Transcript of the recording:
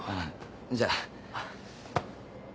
じゃあ。